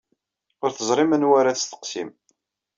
Ur teẓrim anwa ara tesseqsim.